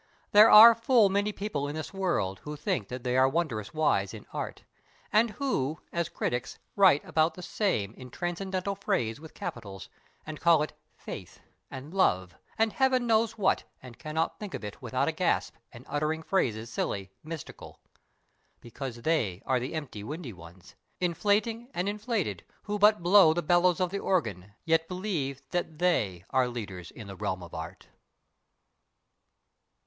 There are full many people in this world Who think that they are wondrous wise in ART, And who, as Critics, write about the same In transcendental phrase with capitals, And call it Faith, and Love, and Heaven knows what, And cannot think of it without a gasp And uttering phrases silly, mystical,— Because they are the empty, windy ones, Inflating and inflated, who but blow The bellows of the organ, yet believe That they are leaders in the Realm of Art!